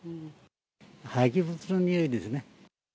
廃棄物の臭いですね。